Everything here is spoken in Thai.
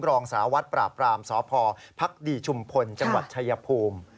รองสารวัตรปราบรามสพภักดีชุมพลจังหวัดชายภูมิ